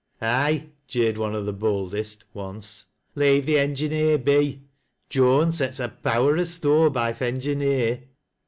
■'Aye," jeered one of the boldest, once, "leave th' engineer be. Joan sets a power o' store by th' engineer."